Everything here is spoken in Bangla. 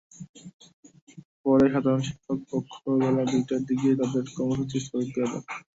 পরে সাধারণ শিক্ষক পক্ষ বেলা দুইটার দিকে তাঁদের কর্মসূচি স্থগিত করে নেন।